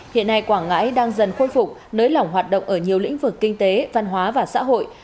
hiện nay quảng ngãi đang dần khôi phục nới lỏng hoạt động ở nhiều lĩnh vực kinh tế văn hóa và xã hội